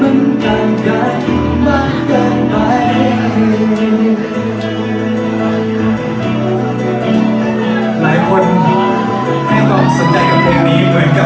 อาจจะทำให้ฉันเสียเธอใช่หรือเปล่า